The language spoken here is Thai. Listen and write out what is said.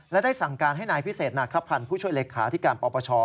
และได้สั่งการให้นายพิเศษนาคพันธ์ผู้ช่วยเลขาที่การปปช